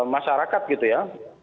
masyarakat gitu ya